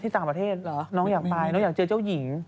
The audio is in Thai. ต่างประเทศเหรอน้องอยากไปน้องอยากเจอเจ้าหญิง